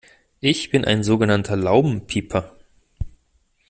Ich bin ein sogenannter Laubenpieper.